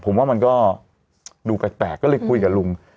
ผมว่ามันก็ดูแปลกก็เลยคุยกับลุง